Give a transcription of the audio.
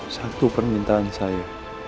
satu permintaan saya